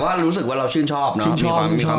ก็รู้สึกว่าเราชื่นชอบเนอะ